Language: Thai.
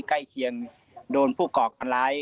ใกล้เคียงโดนผู้ก่อการร้าย